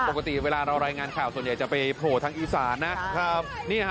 ปกติเวลาเรารายงานข่าวส่วนใหญ่จะไปโผล่ทางอีสานนะ